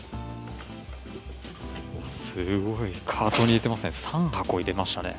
すごい、カートに入れてますね。